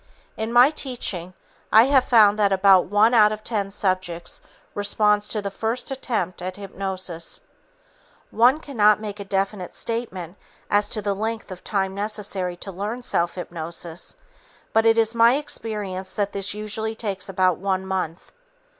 In my teaching, I have found that about one out of ten subjects responds to the first attempt at hypnosis. One cannot make a definite statement as to the length of time necessary to learn self hypnosis, but it is my experience that this usually takes about one month.